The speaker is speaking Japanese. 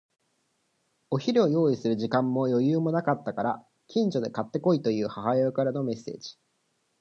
お昼を用意する時間も余裕もなかったから、近所で買って来いという母親からのメッセージ。